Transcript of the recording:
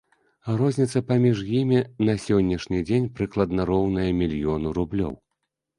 Розніца паміж імі на сённяшні дзень прыкладна роўная мільёну рублёў.